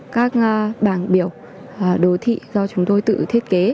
các bảng biểu đô thị do chúng tôi tự thiết kế